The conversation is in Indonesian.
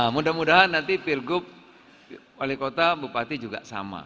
mudah mudahan nanti pilgub wali kota bupati juga sama